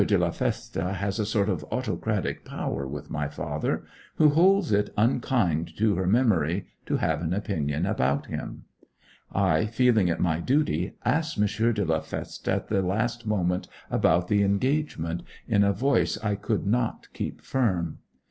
de la Feste has a sort of autocratic power with my father, who holds it unkind to her memory to have an opinion about him. I, feeling it my duty, asked M. de la Feste at the last moment about the engagement, in a voice I could not keep firm.